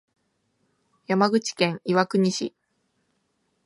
山口県岩国市